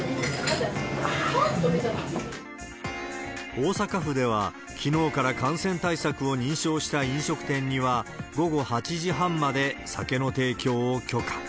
大阪府では、きのうから感染対策を認証した飲食店には、午後８時半まで酒の提供を許可。